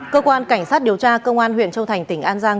cơ quan cảnh sát điều tra cơ quan huyện châu thành tỉnh an giang